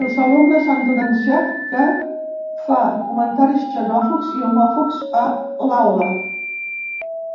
Els alumnes han denunciat que fa comentaris xenòfobs i homòfobs a l’aula.